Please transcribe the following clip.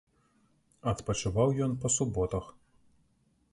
Адпачываў ён па суботах.